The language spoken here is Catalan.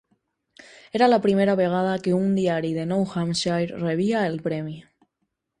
Era la primera vegada que un diari de Nou Hampshire rebia el premi.